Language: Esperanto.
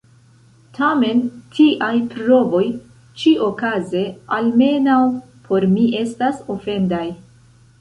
Tamen tiaj provoj ĉi-okaze, almenaŭ por mi, estas ofendaj.